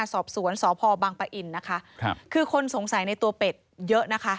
สอบสวนสพบังปะอินนะคะครับคือคนสงสัยในตัวเป็ดเยอะนะคะ